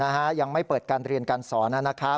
ยังไม่เปิดการเรียนการสอนนะครับ